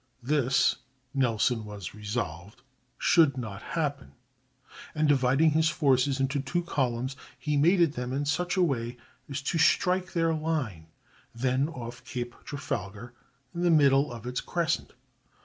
This, Nelson was resolved, should not happen; and dividing his forces into two columns, he made at them in such a way as to strike their line (then off Cape Trafalgar) in the middle of its crescent.